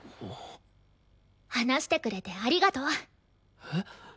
話してくれてありがとう。え？